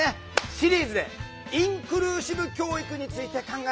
シリーズで「インクルーシブ教育」について考えていきます。